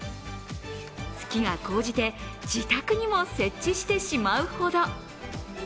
好きが高じて、自宅にも設置してしまうほど。